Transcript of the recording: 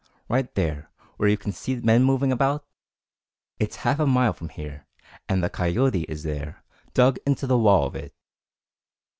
right there where you can see men moving about? It's half a mile from here, and the 'coyote' is there, dug into the wall of it."